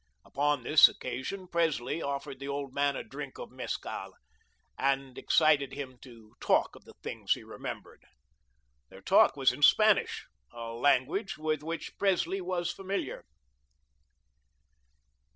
Upon this occasion, Presley offered the old man a drink of mescal, and excited him to talk of the things he remembered. Their talk was in Spanish, a language with which Presley was familiar.